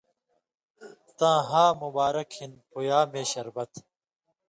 تاں ہا مبارک ہِن پویا مے شربت